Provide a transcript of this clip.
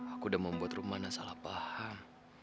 aku udah membuat rumana salah paham